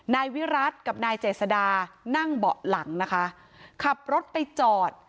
นายวิรัติกับนายเจษดานั่งเบาะหลังนะคะขับรถไปจอด